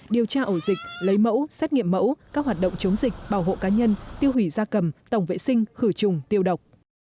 điều tra ổ dịch lấy mẫu xét nghiệm mẫu các hoạt động chống dịch bảo hộ cá nhân tiêu hủy da cầm tổng vệ sinh khử trùng tiêu độc